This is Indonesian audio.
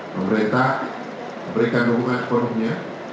pemerintah memberikan hubungan sepenuhnya